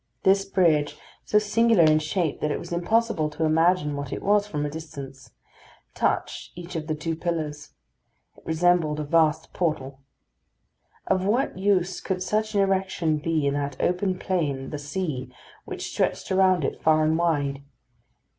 This bridge, so singular in shape that it was impossible to imagine what it was from a distance, touched each of the two pillars. It resembled a vast portal. Of what use could such an erection be in that open plain, the sea, which stretched around it far and wide?